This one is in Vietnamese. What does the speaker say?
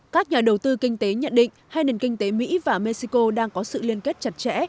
các nhà đầu tư kinh tế nhận định hai nền kinh tế mỹ và mexico đang có sự liên kết chặt chẽ